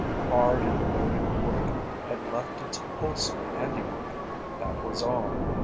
Hard and devoted work had left its wholesome handiwork, that was all.